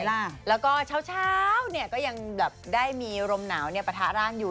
แล้วก็เช้าเนี่ยก็ยังแบบได้มีรมหนาวปะทะร่างอยู่